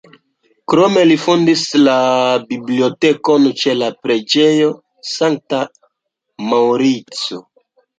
Krome li fondis la bibliotekon ĉe la preĝejo Sankta Maŭrico.